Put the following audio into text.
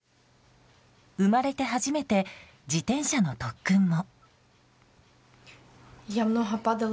生まれて初めて自転車の特訓も。